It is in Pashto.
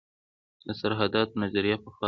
د سرحداتو نظریه پخوا ردېده.